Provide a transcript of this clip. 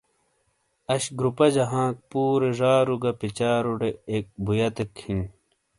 اش گروپہ جہ ہانک پورے ڙارو کا پچاروٹے ایک بویت ہی۔